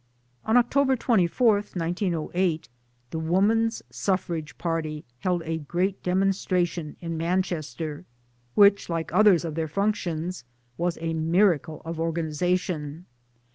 v On October 24, 1908, the Women's Suffrage party held a great demonstration in Manchester, which like others of their functions was a miracle of organization.